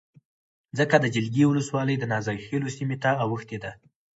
څخه د جلگې ولسوالی دنازک خیلو سیمې ته اوښتې ده